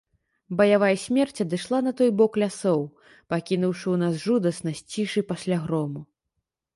Баявая смерць адышла на той бок лясоў, пакінуўшы ў нас жудаснасць цішы пасля грому.